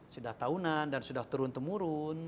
sudah tahunan dan sudah turun temurun